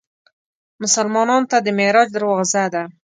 مسلمانانو ته د معراج دروازه ده.